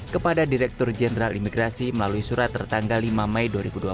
kepada direktur jenderal imigrasi melalui surat tertanggal lima mei dua ribu dua puluh